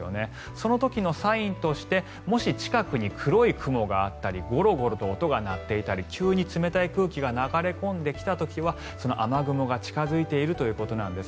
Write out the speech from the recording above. その時のサインとしてもし、近くに黒い雲があったりゴロゴロと音が鳴っていたり急に冷たい空気が流れ込んできた時は雨雲が近付いているということなんです。